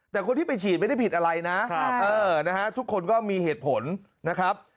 แต่คนที่ไปฉีดไม่ได้ผิดอะไรนะทุกคนก็มีเหตุผลนะครับ